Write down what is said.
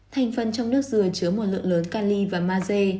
thành phần trong nước dừa chứa một lượng lớn cali và maze